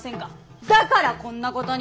だからこんなことに！